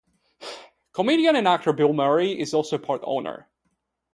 Comedian and actor Bill Murray is also a part owner.